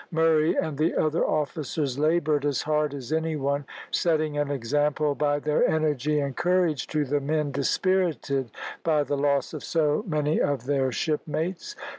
Murray and the other officers laboured as hard as any one, setting an example, by their energy and courage, to the men dispirited by the loss of so many of their shipmates.